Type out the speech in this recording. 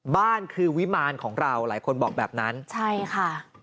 บ้านคือวิมารของเราหลายคนบอกแบบนั้นใช่ค่ะ